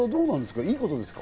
いいことですか？